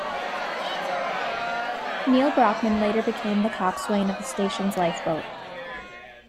Neil Brockman later became the coxswain of the station's lifeboat.